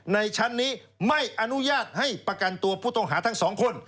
ในชั้นนี้ไม่อนุญาตให้ประกันตัวผู้ต้องหาทั้งสองคน